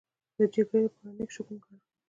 د جګړې لپاره نېک شګون گاڼه.